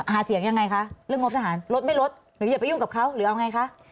หาเสียงยังไงคะเรื่องงบทหารลดไม่ลดหรืออย่าไปยุ่งกับเขาหรือเอาไงคะ